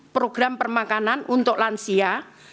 program permakanan untuk lansia